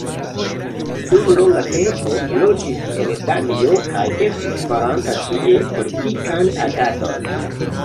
Dum longa tempo loĝis en Danio kaj estis faranta tie politikan agadon.